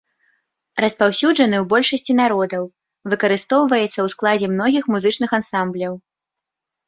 Распаўсюджаны ў большасці народаў, выкарыстоўваецца ў складзе многіх музычных ансамбляў.